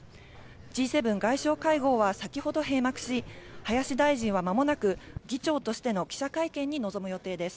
Ｇ７外相会合は先ほど閉幕し、林大臣はまもなく議長としての記者会見に臨む予定です。